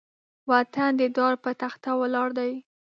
وطن د دار بۀ تخته ولاړ دی